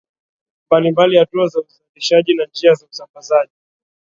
mbali mbali hatua za uzalishaji na njia za usambazaji